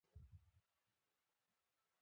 په یوه کوڅه کې سره وړاندې ورسته شي.